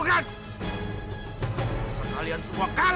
aku akan mencari siapa yang bisa menggoda dirimu